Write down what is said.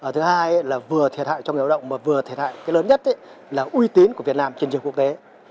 thứ hai là vừa thiệt hại cho người lao động mà vừa thiệt hại cái lớn nhất là uy tín của việt nam trên trường quốc tế